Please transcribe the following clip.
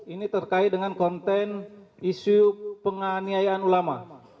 ini terkait dengan konten isu penganiayaan ulama